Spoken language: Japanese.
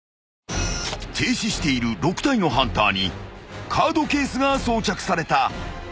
［停止している６体のハンターにカードケースが装着された］